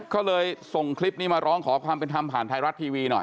ก็เลยส่งคลิปนี้มาร้องขอความเป็นธรรมผ่านไทยรัฐทีวีหน่อย